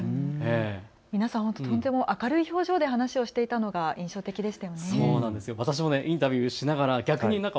皆さんとても明るい表情で話ていたのが印象的でした。